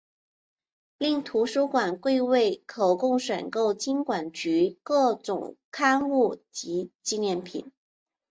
另图书馆柜位可供选购金管局各种刊物及纪念品。